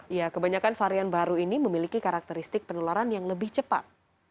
ya kebanyakan varian baru ini memiliki karakteristik penularan yang lebih cepat